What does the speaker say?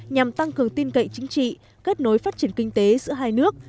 nhằm tăng cường tin cậy chính trị kết nối phát triển kinh tế giữa hai nước